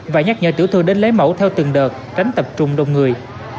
và nhắc nhở tiểu thương đến lấy mẫu theo từng đợt tránh tập trung đông người